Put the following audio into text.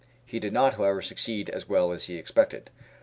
He did not, however, succeed as well as he expected.